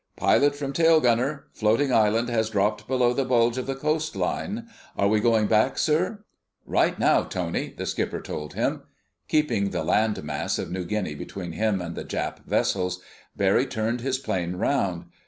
"Pilot from tail gunner: Floating island has dropped below the bulge of the coastline.... Are we going back, sir?" "Right now, Tony!" the skipper told him. Keeping the land mass of New Guinea between him and the Jap vessels, Barry turned his plane around.